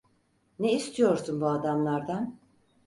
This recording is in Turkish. Ne istiyorsun bu adamlardan?